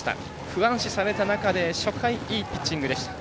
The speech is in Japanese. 不安視された中で初回、いいピッチングでした。